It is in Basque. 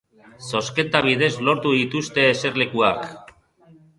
Zozketa bidez lortu dituzte eserlekuak.